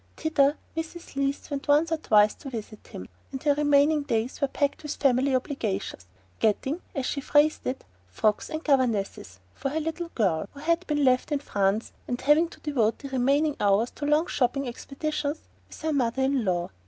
Thither Mrs. Leath went once or twice to visit him, and her remaining days were packed with family obligations: getting, as she phrased it, "frocks and governesses" for her little girl, who had been left in France, and having to devote the remaining hours to long shopping expeditions with her mother in law.